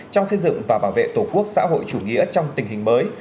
trong xây dựng và bảo vệ tổ quốc xã hội chủ nghĩa trong tình hình mới